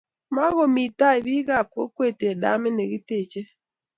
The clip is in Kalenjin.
mokomii taai biik ab kokwee en damit nekitechei